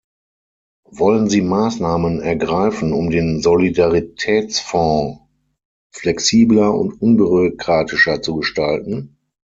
Wollen Sie Maßnahmen ergreifen, um den Solidaritätsfonds flexibler und unbürokratischer zu gestalten?